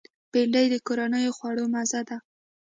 بېنډۍ د کورنیو خوړو مزه ده